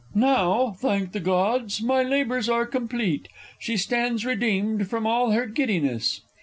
Now, thank the Gods, my labours are complete. She stands redeemed from all her giddiness!